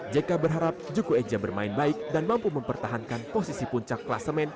jk berharap juku eja bermain baik dan mampu mempertahankan posisi puncak klasemen